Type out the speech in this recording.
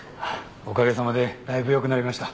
おかげさまでだいぶ良くなりました。